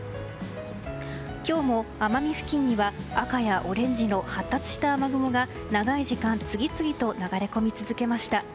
今日も奄美付近には赤やオレンジの発達した雨雲が長い時間次々と流れ込み続けました。